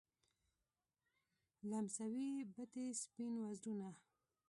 لمسوي بتې سپین وزرونه